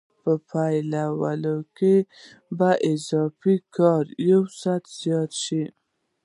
په پایله کې به اضافي کار یو ساعت زیات شي